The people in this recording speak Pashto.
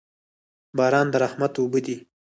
باران د رحمت اوبه دي